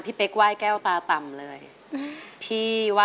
มาพบกับแก้วตานะครับนักสู้ชีวิตสู้งาน